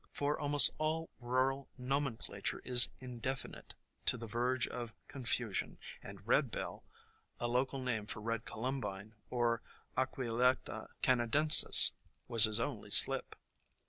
For almost all rural nomenclature is indefinite to the verge of confu sion, and Red bell, a local name for Red Columbine or Aquilegta Canadensis, was his only slip.